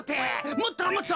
もっともっと。